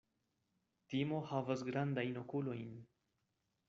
Timo havas grandajn okulojn.